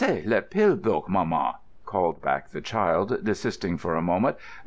"C'est le pibrock, maman," called back the child, desisting for a moment.